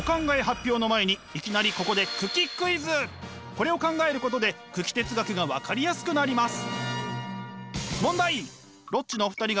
これを考えることで九鬼哲学が分かりやすくなります！